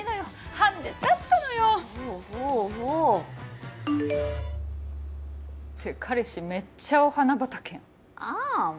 ハンデだったのよほうほうほうって彼氏めっちゃお花畑やんあん